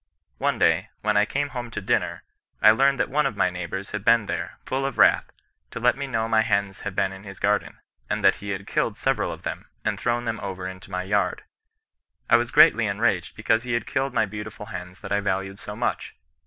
One day, when I came home to dinner, I learned that one of my neighbours had been there, full of wrath, to let me know my hens had been in his garden, and that he had killed several of them, and thrown them over into my yard. I was greatly en raged because he had killed my beautiful hens that I valued so much.